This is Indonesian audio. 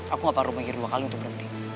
aku gak paruh mikir dua kali untuk berhenti